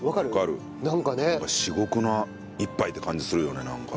至極の一杯って感じするよねなんか。